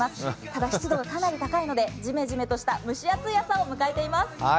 ただ、湿度がかなり高いので、蒸し暑いジメジメとした朝を迎えています。